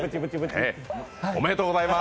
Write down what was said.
おめでとうございます！